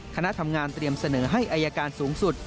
คณะทำงานเตรียมเสนอให้อายการสูงสุด